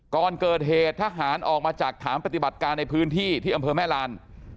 ก่อนเกิดเหตุทหารออกมาจากฐานปฏิบัติการในพื้นที่ที่อำเภอแม่ลาน